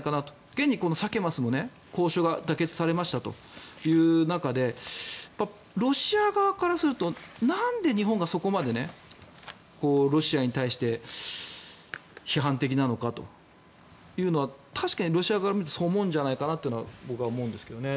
現にサケ・マスの交渉が妥結されましたという中でロシア側からするとなんで日本がそこまでロシアに対して批判的なのかというのは確かにロシア側から見るとそう思うんじゃないかなというのは僕は思うんですけどね。